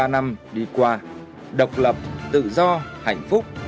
bảy mươi ba năm đi qua độc lập tự do hạnh phúc